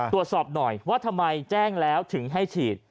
ตรวจสอบหน่อยว่าทำไมแจ้งแล้วถึงให้ฉีด